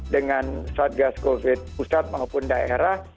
dengan saat gas covid pusat maupun daerah